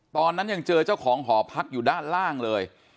ตอนนั้นยังเจอเจ้าของหอพักอยู่ด้านล่างเลย